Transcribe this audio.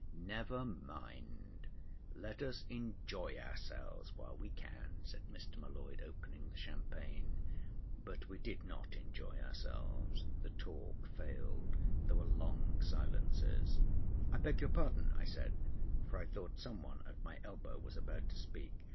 "Never mind. Let us enjoy ourselves while we can," said Mr. M'Leod, opening the champagne. But we did not enjoy ourselves. The talk failed. There were long silences. "I beg your pardon," I said, for I thought some one at my elbow was about to speak.